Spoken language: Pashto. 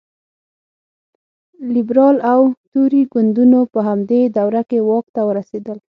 لېبرال او توري ګوندونو په همدې دوره کې واک ته ورسېدل.